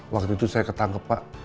waktu itu saya ketangkep pak